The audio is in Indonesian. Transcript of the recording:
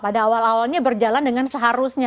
pada awal awalnya berjalan dengan seharusnya